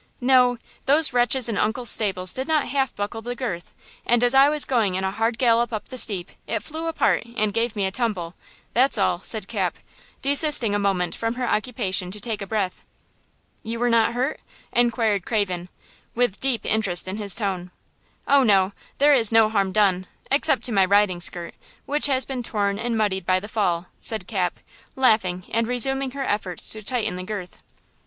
"No; those wretches in uncle's stables did not half buckle the girth, and, as I was going in a hard gallop up the steep, it flew apart and gave me a tumble; that's all," said Cap, desisting a moment from her occupation to take a breath. "You were not hurt?" inquired Craven, with deep interest in his tone. "Oh, no; there is no harm done, except to my riding skirt, which has been torn and muddied by the fall," said Cap, laughing and resuming her efforts to tighten the girth.